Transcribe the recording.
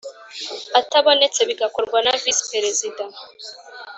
atabonetse bigakorwa na visi perezida